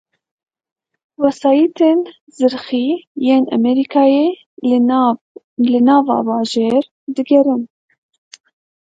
Wesayîtên zirxî yên Amerîkayê li nava bajêr digerin